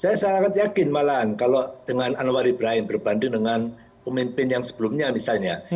saya sangat yakin malahan kalau dengan anwar ibrahim berbanding dengan pemimpin yang sebelumnya misalnya